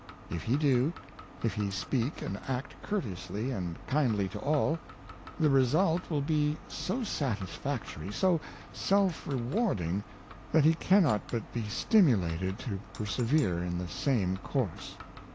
If he do — if he speak and act courteously and kindly to all — the result will be so satisfactory, so self rewarding, that he cannot but be stimulated to per severe in the same course.